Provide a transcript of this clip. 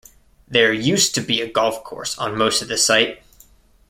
There used to be a golf course on most of this site.